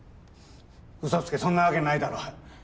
ウソつけそんなわけないだろう